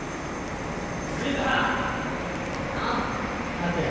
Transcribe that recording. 立てよ